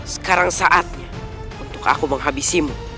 sekarang saatnya untuk aku menghabisimu